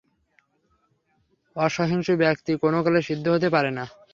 অসহিষ্ণু ব্যক্তি কোন কালে সিদ্ধ হতে পারে না।